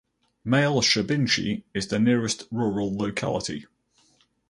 Malye Shcherbinichi is the nearest rural locality.